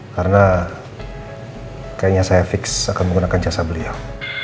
karena kayaknya saya fix akan menggunakan jasa beliau